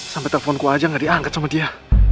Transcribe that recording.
sampai teleponku aja gak diangkat sama dia